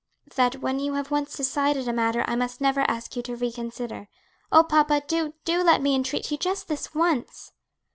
"That when you have once decided a matter I must never ask you to reconsider. Oh, papa, do, do let me entreat you just this once!"